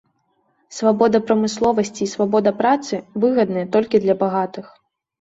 Свабода прамысловасці і свабода працы выгадныя толькі для багатых.